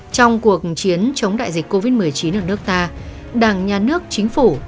trong cuộc chiến chống đại dịch covid một mươi chín ở nước ta đảng nhà nước chính phủ